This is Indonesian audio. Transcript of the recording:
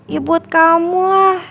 ya buat kamu lah